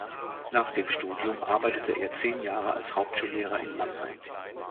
Nach dem Studium arbeitete er zehn Jahre als Hauptschullehrer in Mannheim.